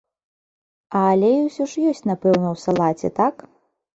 А алей усё ж ёсць, напэўна, у салаце, так?